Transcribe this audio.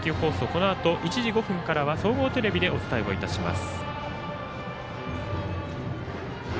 このあと１時５分からは総合テレビでお伝えをいたします。